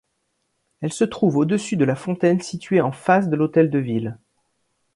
Elle se trouve au-dessus de la fontaine située en face de l'hôtel de ville.